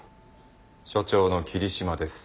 署長の桐島です。